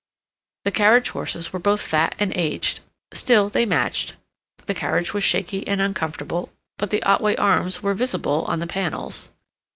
The carriage horses were both fat and aged, still they matched; the carriage was shaky and uncomfortable, but the Otway arms were visible on the panels.